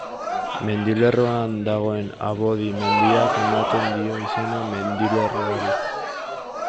Mendilerroan dagoen Abodi mendiak ematen dio izena mendilerroari.